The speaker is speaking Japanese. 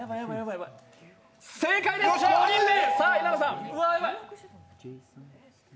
正解です、４人目！